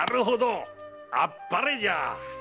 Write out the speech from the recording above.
あっぱれじゃ！